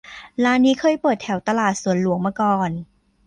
ร้านนี้เคยเปิดแถวตลาดสวนหลวงมาก่อน